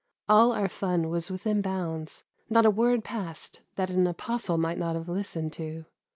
All our fun was within bounds. Not a word passed that an apostle might not have listened to.